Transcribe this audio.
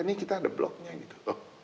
ini kita ada bloknya gitu